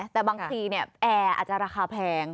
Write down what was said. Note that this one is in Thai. แต่บางทีแอร์อาจจะราคาแพง